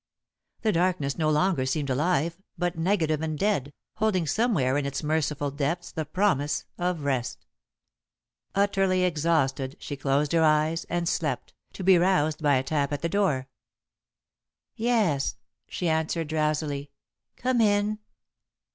The darkness no longer seemed alive, but negative and dead, holding somewhere in its merciful depths the promise of rest. Utterly exhausted, she closed her eyes and slept, to be roused by a tap at her door. "Yes," she answered, drowsily, "come in!"